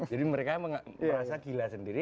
jadi mereka merasa gila sendiri